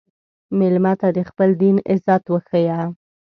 مېلمه ته د خپل دین عزت وښیه.